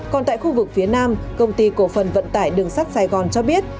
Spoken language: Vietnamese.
còn tại khu vực phía nam công ty cổ phần vận tải đường sắt sài gòn cho biết